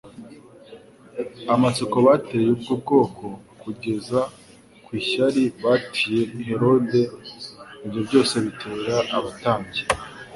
amatsiko bateye ubwo bwoko, kugeza ku ishyari batcye Herode ibyo byose bitera abatambyi